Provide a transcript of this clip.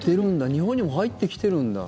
日本にも入ってきてるんだ。